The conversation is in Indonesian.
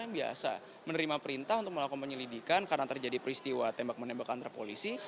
yang biasa menerima perintah untuk melakukan penyelidikan karena terjadi peristiwa tembak menembak antara polisi